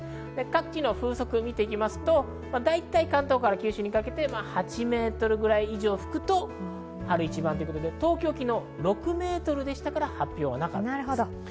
各地の風速を見てみますと大体、関東から九州にかけて８メートル以上ふくと春一番ということで東京は昨日６メートルでしたから発表はなかったんです。